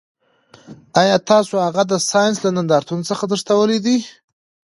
ایا تاسو هغه د ساینس له نندارتون څخه تښتولی دی